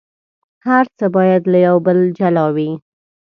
هر څه باید له یو بل جلا وي.